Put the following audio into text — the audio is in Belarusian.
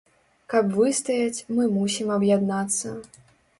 Каб выстаяць, мы мусім аб'яднацца.